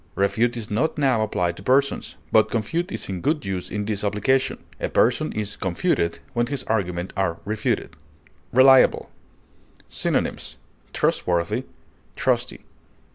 Refute is not now applied to persons, but confute is in good use in this application; a person is confuted when his arguments are refuted. RELIABLE. Synonyms: trustworthy, trusty.